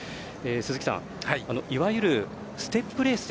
鈴木さんいわゆるステップレース